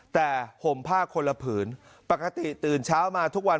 แต่ห่มผ้าคนละผืนปกติตื่นเช้ามาทุกวัน